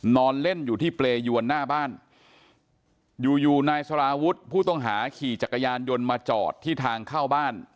นอนเล่นอยู่ที่เปรยวนหน้าบ้านอยู่อยู่นายสารวุฒิผู้ต้องหาขี่จักรยานยนต์มาจอดที่ทางเข้าบ้าน